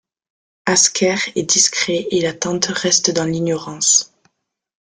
Asker est discret et la tante reste dans l'ignorance.